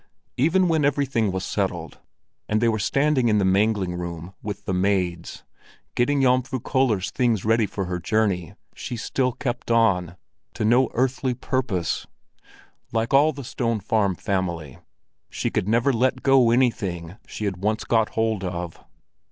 Even when everything was settled, and they were standing in the mangling room with the maids, getting Jomfru Köller's things ready for her journey, she still kept on—to no earthly purpose. Like all the Stone Farm family, she could never let go anything she had once got hold of.